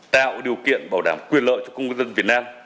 tạo điều kiện bảo đảm quyền lợi cho công dân việt nam